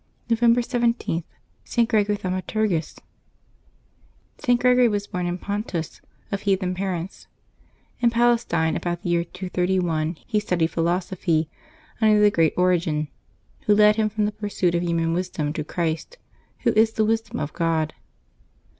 November 17.— ST. GREGORY THAUMATUR GUS. [t. Gregory was born in Pontus, of heathen parents. In Palestine, about the year 231, he studied philos ophy under the great Origen, who led him from the pursuit of human wisdom to Christ, Who is the Wisdom of God.